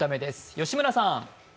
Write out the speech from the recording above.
吉村さん。